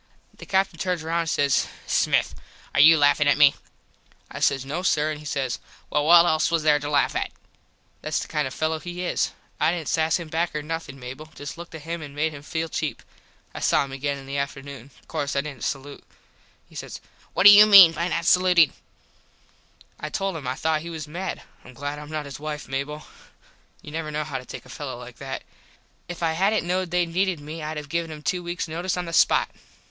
The Captin turns round an says "Smith are you laffin at me?" I says no sir an he says "Well what else was there to laff at?" Thats the kind of a fello he is. I didn't sass him back or nothin, Mable. Just looked at him an made him feel cheap. I saw him again in the afternoon. Course I didnt salute. He says "What do you mean by not salutin?" I told him I thought he was mad. Im glad Im not his wife, Mable. You never know how to take a fello like that. If I hadnt knowed they needed me Id have given him two weaks notise on the spot.